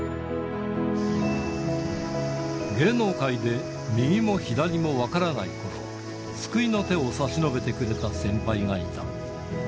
芸能界で右も左も分からないころ、救いの手を差し伸べてくれた先輩がいた。